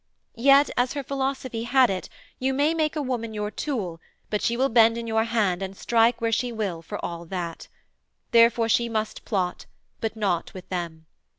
Yet, as her philosophy had it, you may make a woman your tool, but she will bend in your hand and strike where she will, for all that. Therefore she must plot, but not with them.